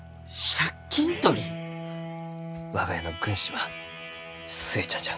我が家の軍師は寿恵ちゃんじゃ。